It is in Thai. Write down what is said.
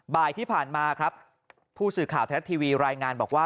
บ่ายที่ผ่านมาครับผู้สื่อข่าวไทยรัฐทีวีรายงานบอกว่า